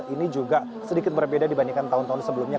ini juga sedikit berbeda dibandingkan tahun tahun sebelumnya